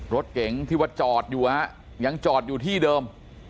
รถเก๋งที่ว่าจอดอยู่ฮะยังจอดอยู่ที่เดิม